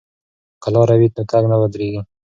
که لاره وي نو تګ نه ودریږي.